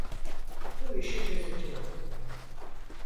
Bu işi çözeceğim.